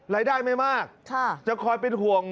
รายได้ไม่มากจะคอยเป็นห่วง